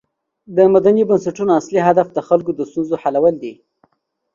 د مدني بنسټونو اصلی هدف د خلکو د ستونزو حلول دي.